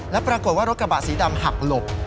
และปรากฏว่ารถกระบะสีดำหักหลบ